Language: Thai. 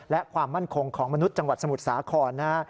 และความมั่นคงของมนุษย์จังหวัดสมุทรสาครนะฮะ